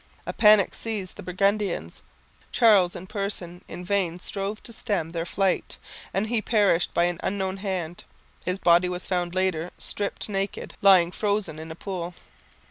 A panic seized the Burgundians; Charles in person in vain strove to stem their flight, and he perished by an unknown hand. His body was found later, stripped naked, lying frozen in a pool.